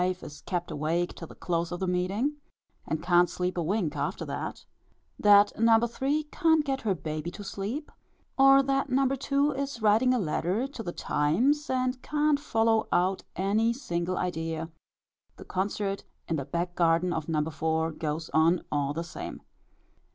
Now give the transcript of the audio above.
is kept awake till the close of the meeting, and can't sleep a wink after that; that No. 3. can't get her baby to sleep; or that No. 2. is writing a letter to the Times, and can't follow out any single idea; the concert in the back garden of No. 4. goes on all the same.